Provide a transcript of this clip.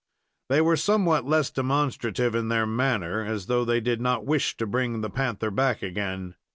They were somewhat less demonstrative in their manner, as though they did not wish to bring the panther back again.